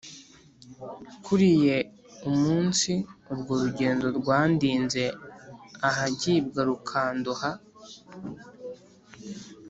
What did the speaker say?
kuriyeUmunsi se urwo rugendo Rwandinze ahagibwa Rukandoha